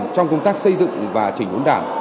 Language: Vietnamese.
trong công tác xây dựng đảng